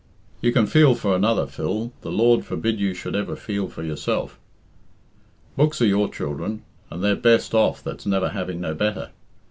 "You can feel for another, Phil the Lord forbid you should ever feel for yourself. Books are your children, and they're best off that's never having no better.